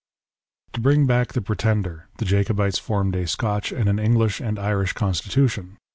To bring back the Pretender, the Jacobites formed a Scotch and an English and an Irish constitution.